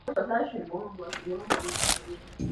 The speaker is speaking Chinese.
武川众是甲斐国边境的武士团。